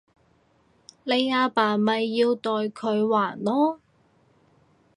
你阿爸咪要代佢還囉